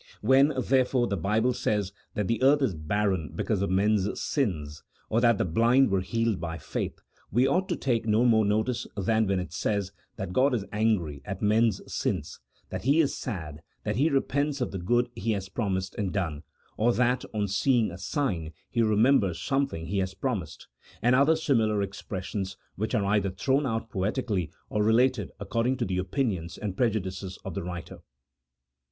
When, therefore, the Bible says that the earth is barren because of men's sins, or that the blind were healed by faith, we ought to take no more notice than when it says that G od is angry at men's sins, that He is sad, that He repents of the good He has promised and done ; or that on seeing a sign he remembers something He had promised, and other similar expressions, which are either thrown out poetically or related according to the opinion and prejudices of the writer.